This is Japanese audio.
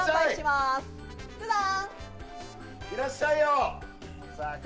いらっしゃいよ。